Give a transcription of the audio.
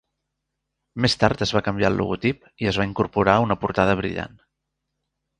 Més tard es va canviar el logotip i es va incorporar una portada brillant.